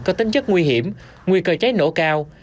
có tính chất nguy hiểm nguy cơ cháy nổ cao